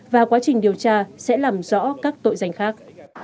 và quá trình điều tra sẽ làm rõ các tội danh khác